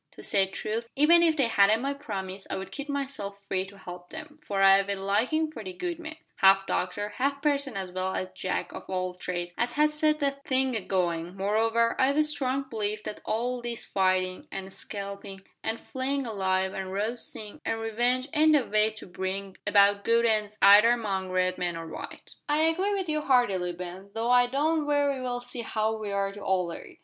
To say truth, even if they hadn't my promise I'd keep myself free to help 'em, for I've a likin' for the good man half doctor, half parson as well as Jack of all trades as has set the thing agoin' moreover, I've a strong belief that all this fightin', an' scalpin', an' flayin' alive, an roastin', an' revenge, ain't the way to bring about good ends either among Red men or white." "I agree with you heartily, Ben, though I don't very well see how we are to alter it.